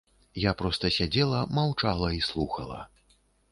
Я проста сядзела, маўчала і слухала.